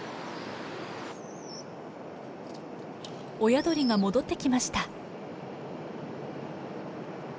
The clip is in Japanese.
親鳥が戻ってきました。